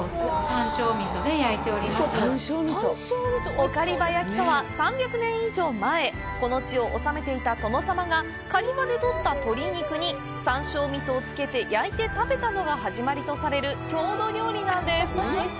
御狩場焼とは、３００年以上前この地を治めていた殿様が狩場でとった鳥肉に山椒味噌をつけて焼いて食べたのが始まりとされる郷土料理なんです。